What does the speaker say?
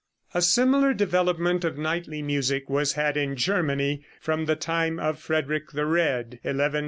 ] A similar development of knightly music was had in Germany from the time of Frederick the Red 1152 1190.